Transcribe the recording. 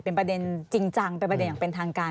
เป็นประเด็นจริงจังเป็นประเด็นอย่างเป็นทางการ